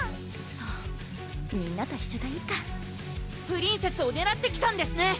そうみんなと一緒がいいかプリンセスをねらって来たんですね！